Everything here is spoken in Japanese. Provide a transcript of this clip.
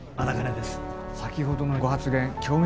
先ほどのご発言興味